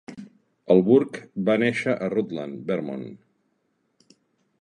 En Burke va néixer a Rutland, Vermont.